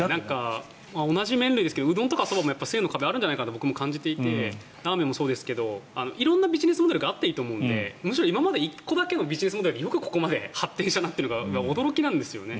同じ麺類ですけどうどんとかそばも１０００円の壁あるのではと僕も感じていてラーメンもそうですが色んなビジネスモデルがあっていいと思うのでむしろ今まで１個だけのビジネスモデルでよくここまで発展したなというのが驚きなんですよね。